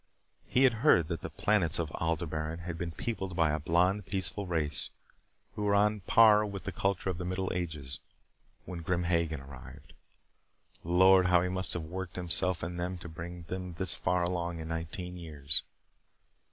He had heard that the planets of Aldebaran had been peopled by a blond peaceful race who were on a par with the culture of the Middle Ages when Grim Hagen arrived. Lord, how he must have worked himself and them to bring them this far along in nineteen years.